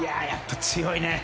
強いね。